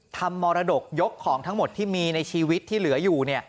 มรดกยกของทั้งหมดที่มีในชีวิตที่เหลืออยู่